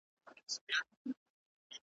او واه واه به ورته ووایي .